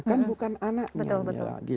kan bukan anaknya